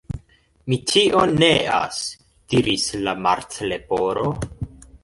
"Mi tion neas," diris la Martleporo.